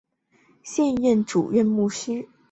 现任主任牧师为陈淳佳牧师。